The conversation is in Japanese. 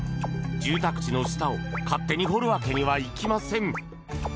住宅地の下を勝手に掘るわけにはいきません。